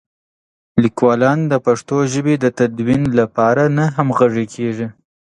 لیکوالان د پښتو ژبې د تدوین لپاره نه همغږي کېږي.